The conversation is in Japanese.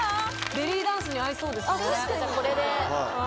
ベリーダンスに合いそうですね・じゃあこれで。